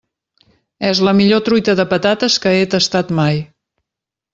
És la millor truita de patates que he tastat mai.